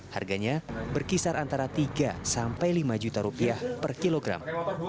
harganya berkisar antara tiga sampai lima juta rupiah per kilogram